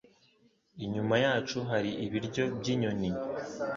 Inyuma yacu hari ibiryo byinyoni.